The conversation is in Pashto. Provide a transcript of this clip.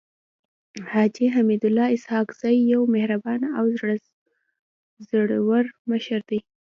حاجي حميدالله اسحق زی يو مهربانه او زړور مشر دی.